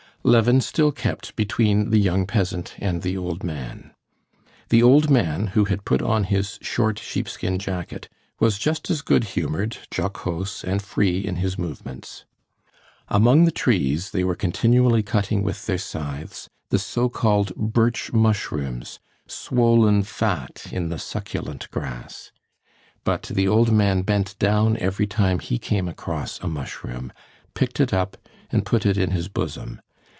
Levin still kept between the young peasant and the old man. The old man, who had put on his short sheepskin jacket, was just as good humored, jocose, and free in his movements. Among the trees they were continually cutting with their scythes the so called "birch mushrooms," swollen fat in the succulent grass. But the old man bent down every time he came across a mushroom, picked it up and put it in his bosom.